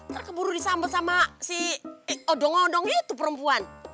ntar keburu disambut sama si odong odong itu perempuan